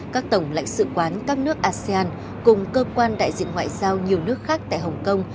các tổng lãnh sự quán các nước asean